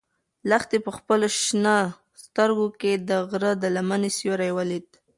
لښتې په خپلو شنه سترګو کې د غره د لمنې سیوری ولید.